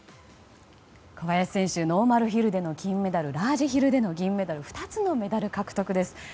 小林選手ノーマルヒルでの金メダルラージヒルでの銀メダル２つのメダル獲得です。